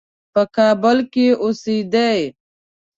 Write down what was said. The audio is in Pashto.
په کابل کې اوسېدی.